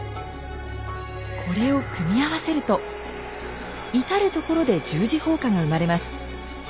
これを組み合わせると至る所で十字砲火が生まれます。